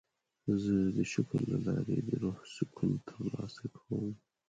زه د شکر له لارې د روح سکون ترلاسه کوم.